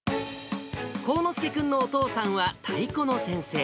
幸之助君のお父さんは太鼓の先生。